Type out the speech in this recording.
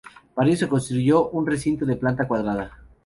Para ello se construyó un recinto de planta cuadrada.